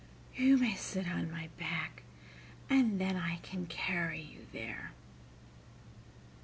You may sit on my back, and then I can carry you there."